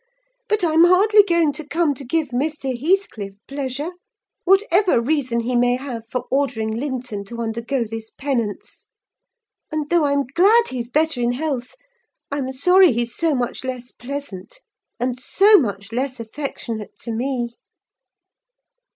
But I'm hardly going to come to give Mr. Heathcliff pleasure; whatever reason he may have for ordering Linton to undergo this penance. And, though I'm glad he's better in health, I'm sorry he's so much less pleasant, and so much less affectionate to me."